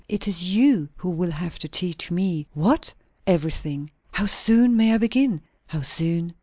"It is you who will have to teach me." "What?" "Everything." "How soon may I begin?" "How soon?"